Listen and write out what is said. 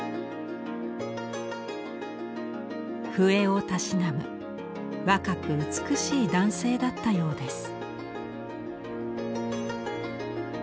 笛をたしなむ若く美しい男性だったようです。